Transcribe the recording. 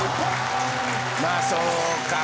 まあそうか。